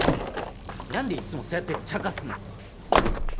なんでいっつもそうやってちゃかすの？